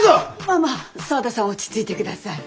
まあまあ沢田さん落ち着いて下さい。